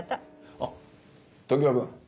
あっ常葉君。